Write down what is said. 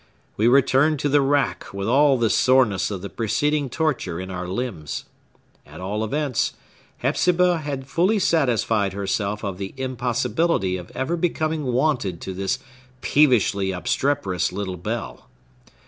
We return to the rack with all the soreness of the preceding torture in our limbs. At all events, Hepzibah had fully satisfied herself of the impossibility of ever becoming wonted to this peevishly obstreperous little bell.